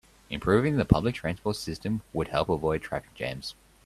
Improving the public transport system would help avoid traffic jams.